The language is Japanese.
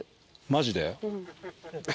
マジで？